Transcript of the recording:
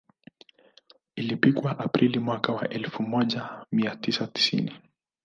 Ilipigwa Aprili mwaka wa elfu moja mia tisa tisini